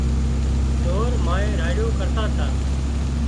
سور مانئين راڙيون ڪرتا تا